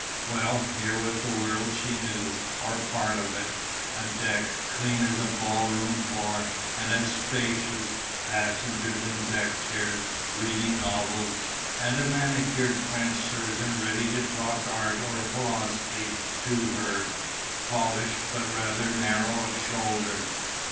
Well, here was the world she knew, or part of it; a deck, clean as a ball room floor and as spacious, passengers in deck chairs, reading novels, and a manicured French surgeon ready to talk art or philosophy to her, polished, but rather narrow of shoulder.